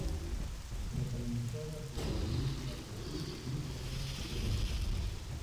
Protagonizada por Ligia Petit y Pedro Rendón.